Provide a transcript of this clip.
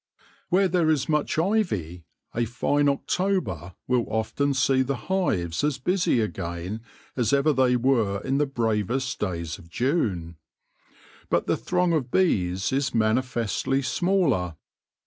Where there is much ivy, a fine October will often see the hives as busy again as ever they were in the bravest days of June ; but the throng of bees is manifestly smaller.